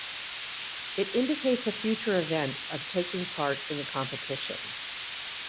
It indicates a future event of taking part in the competition.